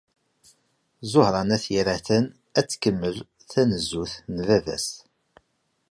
Ẓuhṛa n At Yiraten ad tkemmel tanezzut n baba-s.